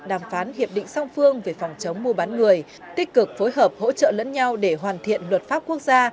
đàm phán hiệp định song phương về phòng chống mua bán người tích cực phối hợp hỗ trợ lẫn nhau để hoàn thiện luật pháp quốc gia